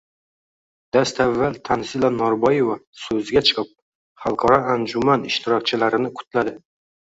Dastavval Tanzila Norboyeva soʻzga chiqib, xalqaro anjuman ishtirokchilarini qutladi.